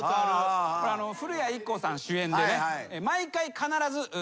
古谷一行さん主演でね。